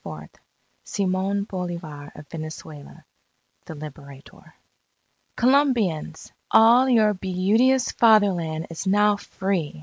JULY 24 SIMON BOLIVAR OF VENEZUELA THE LIBERATOR _Colombians! All your beauteous Fatherland is now free....